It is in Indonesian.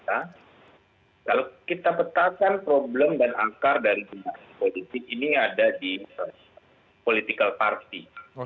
kalau kita petakan problem dan akar dari pembangunan politik ini ada di political party